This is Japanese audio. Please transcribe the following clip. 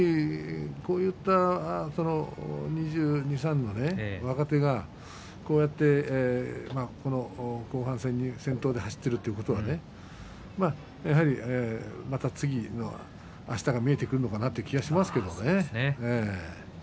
こういった２２、２３の若手が先頭で走っているということはまたあしたが見えてくるのかなという気がしますけれどもね。